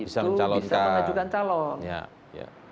itu bisa mencalonkan